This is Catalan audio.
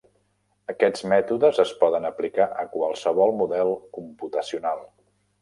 Aquests mètodes es poden aplicar a qualsevol model computacional.